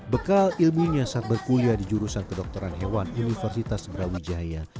bekal ilmunya saat berkuliah di jurusan kedokteran hewan universitas brawijaya